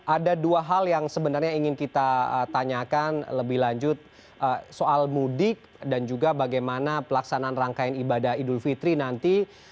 ada dua hal yang sebenarnya ingin kita tanyakan lebih lanjut soal mudik dan juga bagaimana pelaksanaan rangkaian ibadah idul fitri nanti